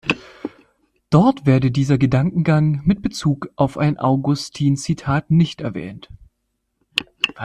Dort werde dieser Gedankengang mit Bezug auf ein Augustin–Zitat nicht erwähnt.